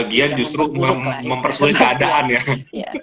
bagian justru mempersoal keadaan ya